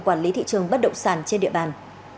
quản lý thị trường bất động sản trên địa bàn